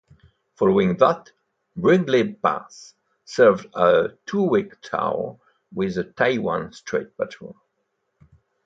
Following that, "Brinkley Bass" served a two-week tour with the Taiwan Strait patrol.